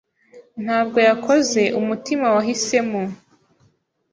Ntabwo yakoze umutima Wahisemo